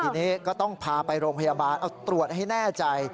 ทีนี้ก็ต้องพาไปโรงพยาบาลเอาตรวจให้แน่ใจ